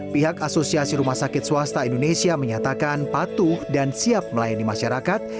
pihak asosiasi rumah sakit swasta indonesia menyatakan patuh dan siap melayani masyarakat